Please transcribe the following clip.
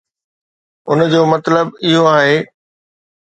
ان جو مطلب اهو آهي.